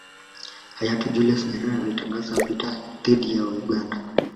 Hayati Julius Nyerere alitangaza vita dhidi ya Uganda